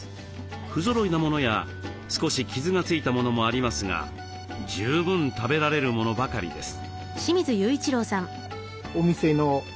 不ぞろいなものや少し傷がついたものもありますが十分食べられるものばかりです。